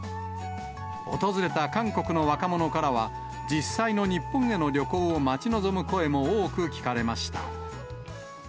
訪れた韓国の若者からは、実際の日本への旅行を待ち望む声も多く聞かれました。